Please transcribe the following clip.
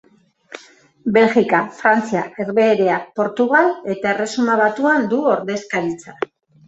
Belgika, Frantzia, Herbehereak, Portugal eta Erresuma Batuan du ordezkaritza.